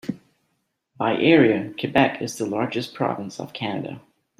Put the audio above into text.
By area, Quebec is the largest province of Canada.